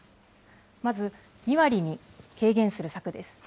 まず、２割に軽減する策です。